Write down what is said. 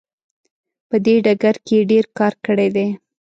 په دې ډګر کې یې ډیر کار کړی دی.